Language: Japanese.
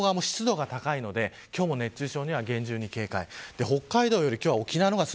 その他の太平洋側も湿度が高いので今日も熱中症には厳重に警戒。